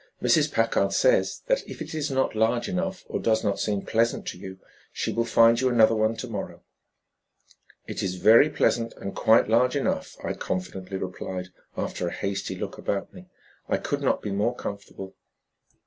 Mrs. Packard says that if it is not large enough or does not seem pleasant to you, she will find you another one to morrow." "It's very pleasant and quite large enough," I confidently replied, after a hasty look about me. "I could not be more comfortable."